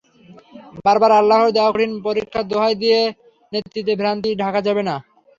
বারবার আল্লাহর দেওয়া কঠিন পরীক্ষার দোহাই দিয়ে নেতৃত্বের ভ্রান্তি ঢাকা যাবে না।